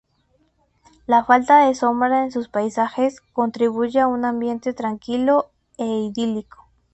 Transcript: La falta de sombra en sus paisajes contribuye a un ambiente tranquilo e idílico.